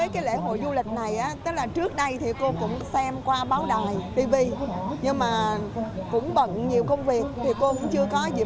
khi lễ hội như vậy thì sẽ có rất nhiều công ty uy tín tham gia